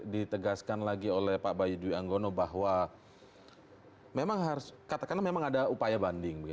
ditegaskan lagi oleh pak bayu dwi anggono bahwa memang harus katakanlah memang ada upaya banding